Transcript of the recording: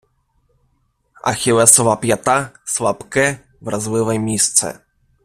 Ахіллесова п'ята — слабке, вразливе місце